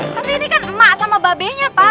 tapi ini kan emak sama mbak be nya pak